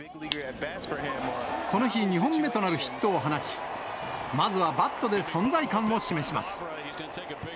この日、２本目となるヒットを放ち、まずはバットで存在感を示します。